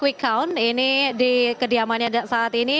kwekown ini di kediamannya saat ini